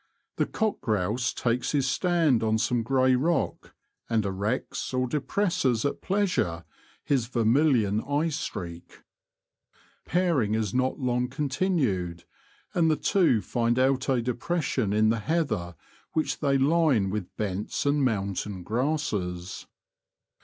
The cock grouse takes his stand on some grey rock, and erects or depresses at pleasure his ver milion eye streak. Pairing is not long con tinued, and the two find out a depression in the heather which thev line with bents and mountain grasses.